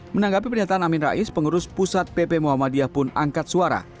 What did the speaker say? menanggapi pernyataan amin rais pengurus pusat pp muhammadiyah pun angkat suara